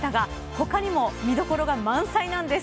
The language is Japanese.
他にも見どころが満載なんです。